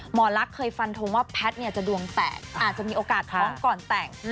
หมอลักษณ์เคยฟันทงว่าแพทย์จะดวงแตกอาจจะมีโอกาสท้องก่อนแต่ง